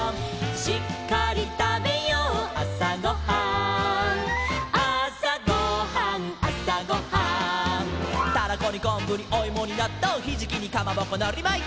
「しっかりたべようあさごはん」「あさごはんあさごはん」「タラコにこんぶにおいもになっとう」「ひじきにかまぼこのりまいて」